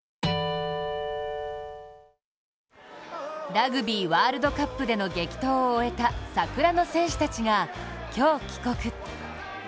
ラグビーワールドカップでの激闘を終えた桜の戦士たちが今日、帰国。